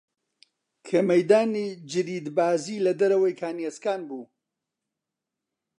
کە مەیدانی جریدبازی لە دەوری کانی ئاسکان بوو